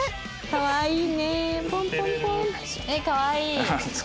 かわいい。